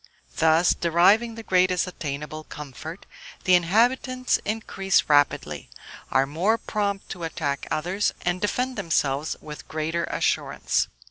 Thus, deriving the greatest attainable comfort, the inhabitants increase rapidly, are more prompt to attack others, and defend themselves with greater assurance.